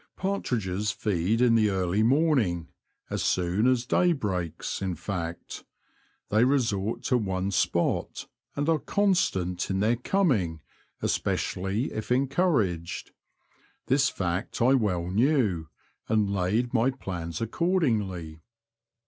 Partridges feed in the early morning — as soon as day breaks, in fact. They resort to one spot, and are constant in their coming, es pecially if encouraged. This fact I well knew^ and laid my plans accordingly.